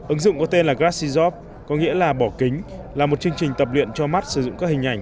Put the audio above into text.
ứng dụng có tên là grassizov có nghĩa là bỏ kính là một chương trình tập luyện cho mắt sử dụng các hình ảnh